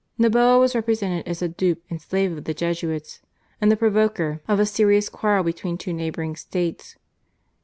Noboa was represented as a dupe and slave of the Jesuits, and the provoker of a serious quarrel between two neighbouring States.